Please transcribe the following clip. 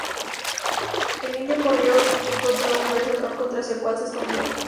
El indio corrió, y encontró un grueso tronco tras el cual se escondió.